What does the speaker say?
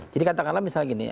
jadi katakanlah misalnya gini